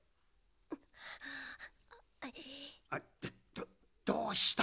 どどうした？